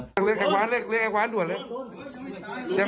เลี้ยงแขกว้างรื้อลง